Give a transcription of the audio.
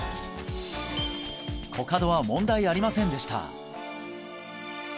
コカドは問題ありませんでした